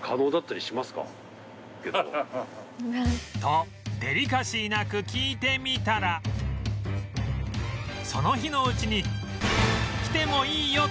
とデリカシーなく聞いてみたらその日のうちに「来てもいいよ！」と